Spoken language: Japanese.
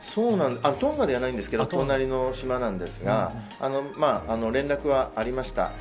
トンガではないんですけど隣の島なんですが連絡はありました。